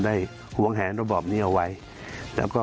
หวงแหนระบอบนี้เอาไว้แล้วก็